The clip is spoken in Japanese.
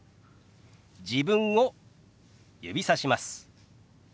自分を指さします。